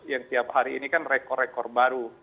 yang tiap hari ini kan rekor rekor baru